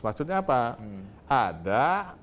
maksudnya apa ada